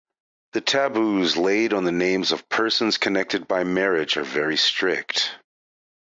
The taboos laid on the names of persons connected by marriage are very strict.